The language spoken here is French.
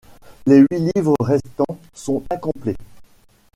Les huit livres restants sont incomplets.